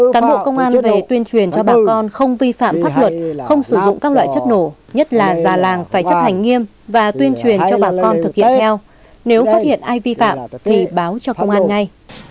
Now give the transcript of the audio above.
cán bộ công an về tuyên truyền cho bà con không vi phạm pháp luật không sử dụng các loại chất nổ nhất là già làng phải chấp hành nghiêm và tuyên truyền cho bà con thực hiện theo nếu phát hiện ai vi phạm thì báo cho công an ngay